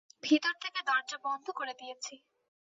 ভিতর থেকে দরজা বন্ধ করে দিয়েছি।